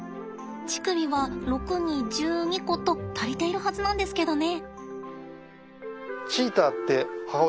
乳首は６×２１２個と足りているはずなんですけどね。